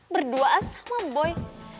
berduaan sama boy